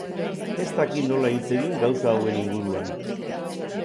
Ez dakit nola hitz egin gauza hauen inguruan.